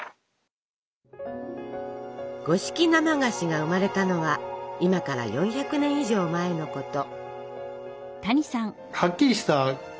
五色生菓子が生まれたのは今から４００年以上前のこと。